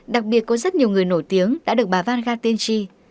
đặc biệt có rất nhiều người nổi tiếng đã được bà vanga tiên tri